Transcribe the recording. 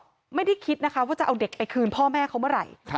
ก็ไม่ได้คิดนะคะว่าจะเอาเด็กไปคืนพ่อแม่เขาเมื่อไหร่